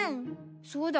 そうだ。